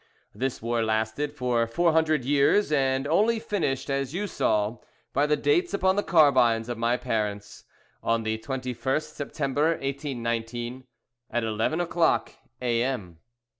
This war lasted for four hundred years, and only finished, as you saw, by the dates upon the carbines of my parents, on the 21st September, 1819, at eleven o'clock A.M."